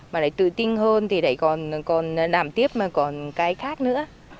mà lại tự tin hơn thì đấy còn còn làm tiếp còn cái khác nữa